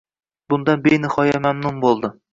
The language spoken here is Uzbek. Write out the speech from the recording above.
Bundan benihoya mamnun bo’ldi.